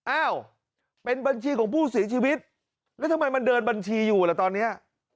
อ้าวเป็นบัญชีของผู้เสียชีวิตแล้วทำไมมันเดินบัญชีอยู่ล่ะตอนนี้